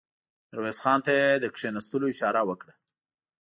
ميرويس خان ته يې د کېناستلو اشاره وکړه.